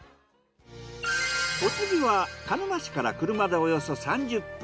お次は鹿沼市から車でおよそ３０分。